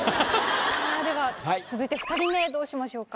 さあでは続いて２人目どうしましょうか？